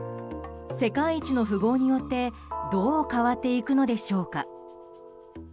世界一の富豪によってどう変わっていくのでしょうか。